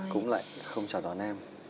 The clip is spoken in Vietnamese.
cũng lại không chào đón em